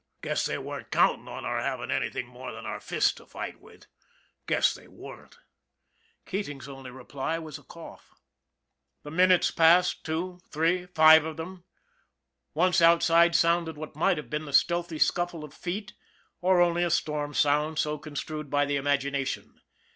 Guess they weren't countin' on our havin' anything more than our fists to fight with, guess they weren't." Keating's only reply was a cough. 148 ON THE IRON AT BIG CLOUD The minutes passed, two, three, five of them. Once outside sounded what might have been the stealthy scuffle of feet or only a storm sound so construed by the imagination.